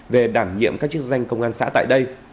về đảm nhiệm các chức danh công an xã tại đây